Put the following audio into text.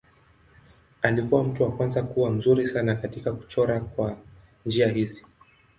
Alikuwa mtu wa kwanza kuwa mzuri sana katika kuchora kwa njia hii.